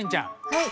はい。